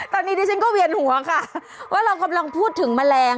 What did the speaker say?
ตอนนี้ดิฉันก็เวียนหัวค่ะว่าเรากำลังพูดถึงแมลง